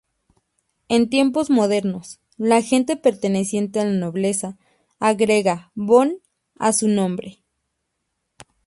En tiempos modernos, la gente perteneciente a la nobleza agrega 'von' a su nombre.